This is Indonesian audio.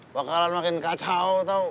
bakalan makin kacau tau